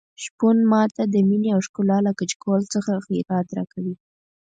شپون ماته د مينې او ښکلا له کچکول څخه خیرات راکوي.